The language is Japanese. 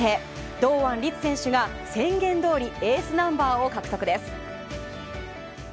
堂安律選手が宣言どおりエースナンバーを獲得です。